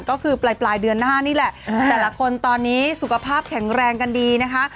ก็คือปลายเดือนหน้านี่แหละแต่ละคนตอนนี้สุขภาพแข็งแรงกันดีนะคะ